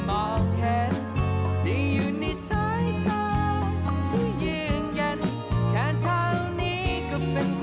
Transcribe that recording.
อเรนนี่นี่แหละแรงกดดันจะมาอยู่ที่เฟ้นท์แล้ว